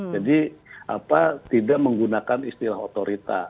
jadi tidak menggunakan istilah otorita